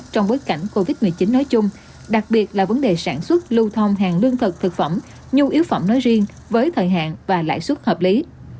trong bối cảnh covid một mươi chín nói chung đặc biệt là vấn đề sản xuất lưu thông hàng lương thực thực phẩm nhu yếu phẩm nói riêng với thời hạn và lãi suất hợp lý